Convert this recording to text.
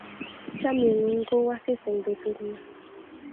chamiet ngun ko u asis eng' petut nenyun